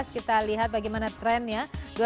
kita lihat bagaimana trennya